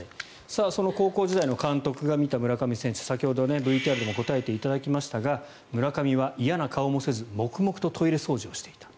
その高校時代の監督が見た村上選手先ほどＶＴＲでも答えていただきましたが村上は嫌な顔もせず黙々とトイレ掃除をしていた。